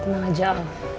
tenang aja allah